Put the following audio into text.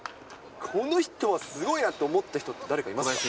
この人はすごいなって思った人って誰かいます？